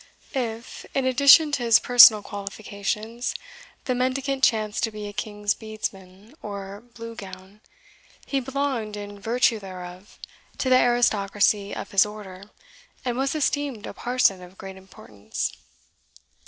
If, in addition to his personal qualifications, the mendicant chanced to be a King's Bedesman, or Blue Gown, he belonged, in virtue thereof, to the aristocracy of his order, and was esteemed a parson of great importance.